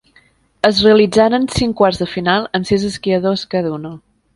Es realitzaren cinc quarts de final amb sis esquiadors cada una.